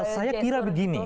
saya kira begini